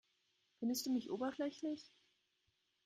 Findest du mich oberflächlich?